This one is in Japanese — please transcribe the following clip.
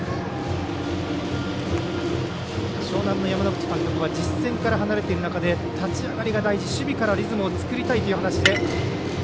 樟南の山之口監督は実戦から離れている中で立ち上がりが大事、守備からリズムを作りたいという話。